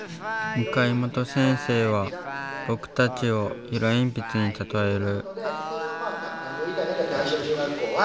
向本先生は僕たちを色鉛筆に例える。